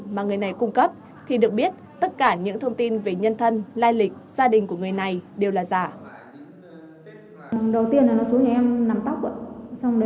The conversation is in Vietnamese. mà người này cũng đã đưa ra một số tiền lên tới hàng chục tỷ đồng